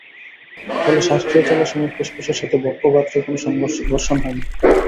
ফলে শ্বাসক্রিয়া চলার সময় ফুসফুসের সাথে বক্ষগাত্রের কোনো ঘর্ষণ হয় না।